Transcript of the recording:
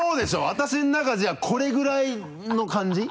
私の中じゃこれぐらいの感じ？